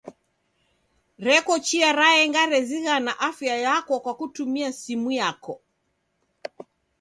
Reko chia raenga rezighana afya yako kwa kutumia simu yako.